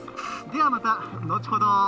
ではまた後ほど！